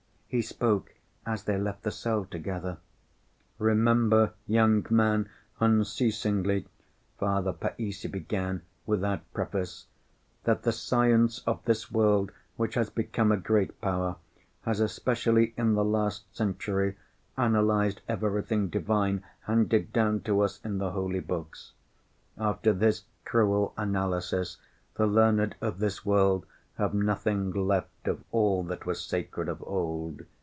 He spoke as they left the cell together. "Remember, young man, unceasingly," Father Païssy began, without preface, "that the science of this world, which has become a great power, has, especially in the last century, analyzed everything divine handed down to us in the holy books. After this cruel analysis the learned of this world have nothing left of all that was sacred of old.